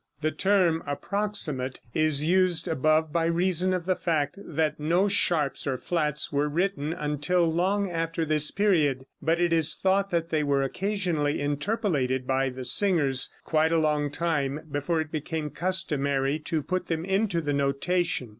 The term approximate is used above by reason of the fact that no sharps or flats were written until long after this period, but it is thought that they were occasionally interpolated by the singers quite a long time before it became customary to put them into the notation.